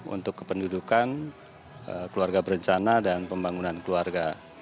untuk kependudukan keluarga berencana dan pembangunan keluarga